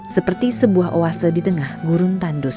seperti sebuah oase di tengah gurun tandus